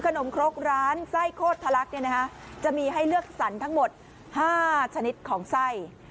จังงั้นไส้โคตรถลักเนี่ยนะคะจะมีให้เลือกสันทั้งหมด๕ชนิดของไส้